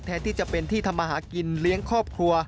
ที่จะเป็นที่ทำมาหากินเลี้ยงครอบครัว